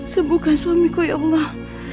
sebukan suamiku ya allah